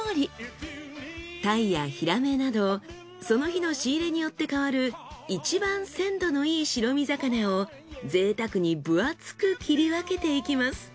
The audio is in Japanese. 鯛やヒラメなどその日の仕入れによって変わるいちばん鮮度のいい白身魚をぜいたくに分厚く切り分けていきます。